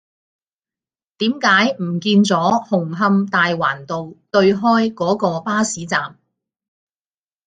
點解唔見左紅磡大環道對開嗰個巴士站